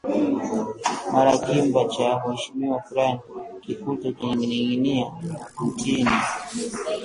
mara kimba cha mheshimiwa fulani kikutwe kiking`ining`ia mtini